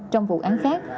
trong vụ án khác